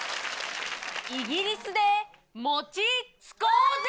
イギリスで餅つこうぜ！